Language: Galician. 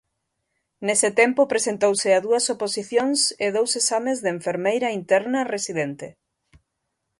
Nese tempo presentouse a dúas oposicións e dous exames de Enfermeira Interna Residente.